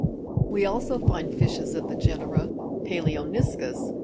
We also find fishes of the genera palxo ni'scus (Jig.